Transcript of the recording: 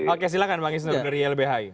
oke silakan bang isner dari ylbhi